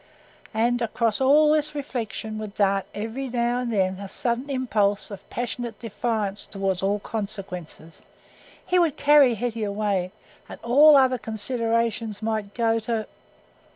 And across all this reflection would dart every now and then a sudden impulse of passionate defiance towards all consequences. He would carry Hetty away, and all other considerations might go to....